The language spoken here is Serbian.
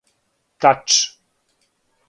тач